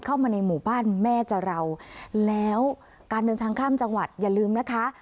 เข้ามาในหมู่บ้านแม่จะราวแล้วการเดินทางข้ามจังหวัดอย่าลืมนะคะ